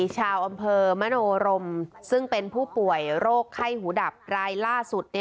ชาวอำเภอมโนรมซึ่งเป็นผู้ป่วยโรคไข้หูดับรายล่าสุด